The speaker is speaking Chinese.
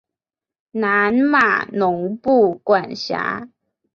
南马农布管辖。